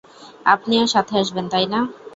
আপনিও সাথে আসবেন, তাই না?